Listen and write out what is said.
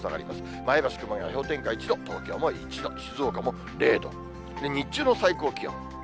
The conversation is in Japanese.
前橋、熊谷、氷点下１度、東京も１度、静岡も０度、日中の最高気温。